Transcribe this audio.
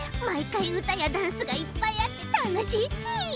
まいかいうたやダンスがいっぱいあってたのしいち！